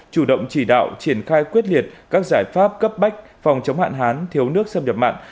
chủ động chỉ đạo triển khai quyết liệt các giải pháp cấp bách phòng chống hạn hán thiếu nước xâm nhập mặn